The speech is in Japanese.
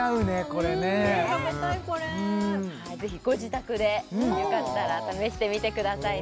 これね食べたいこれぜひご自宅でよかったら試してみてくださいね